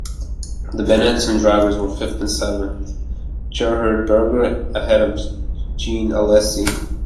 The Benetton drivers were fifth and seventh; Gerhard Berger ahead of Jean Alesi.